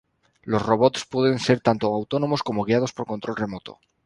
Los robots pueden ser tanto autónomos como guiados por control remoto.